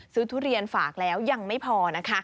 ทุเรียนฝากแล้วยังไม่พอนะคะ